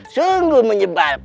sungguh menyebalkan aku